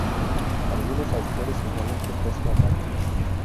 Algunos autores señalan que fue su amante.